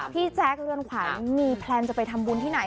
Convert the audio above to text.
แจ๊คเรือนขวัญมีแพลนจะไปทำบุญที่ไหน